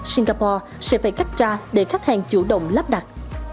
singapore sẽ phải cắt tra để khách hàng chủ động lắp đặt